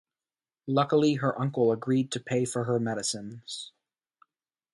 Luckily her uncle agreed to pay for her medicines.